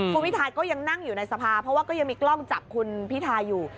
คุณพิทาก็ยังนั่งอยู่ในสภาเพราะว่าก็ยังมีกล้องจับคุณพิทาอยู่